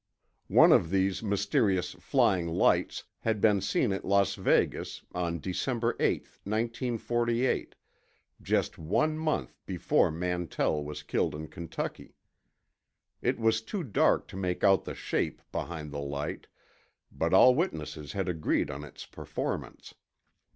One of these mysterious "flying lights" had been seen at Las Vegas, on December 8, 1948—just one month before Mantell was killed in Kentucky. It was too dark to make out the shape behind the light, but all witnesses had agreed on its performance.